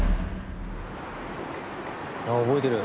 あ覚えてる。